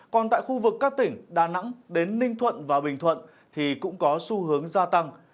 còn tại khu vực các tỉnh đà nẵng đến ninh thuận và bình thuận thì cũng có xu hướng gia tăng